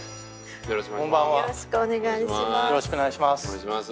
よろしくお願いします。